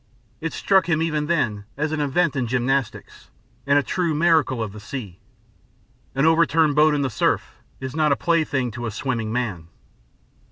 It struck him even then as an event in gymnastics, and a true miracle of the sea. An over turned boat in the surf is not a plaything to a swimming man.